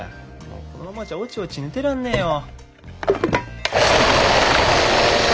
もうこのままじゃおちおち寝てらんねえよ。